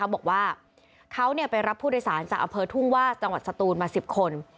บอกว่าเขาไปรับผู้โดยสารจากอำเภอทุ่งวาดจังหวัดสตูนมา๑๐คน